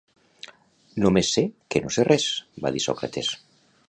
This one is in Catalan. Només sé que no sé res, va dir Sòcrates